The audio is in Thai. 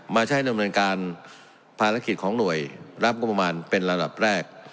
มาใช้ดำเนินการภารกิจของหน่วยรับงบประมาณเป็นระดับแรก